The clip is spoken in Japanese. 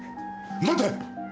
待て！